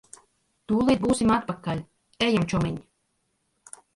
Tūlīt būsim atpakaļ. Ejam, čomiņ.